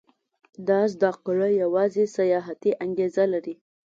دا زده کړه زیاته سیاحتي انګېزه لري.